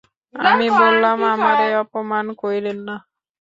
আমি বললাম, আমারে অপমান কইরেন না।